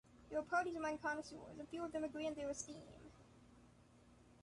There are parties among connoisseurs, and few of them agree in their esteem.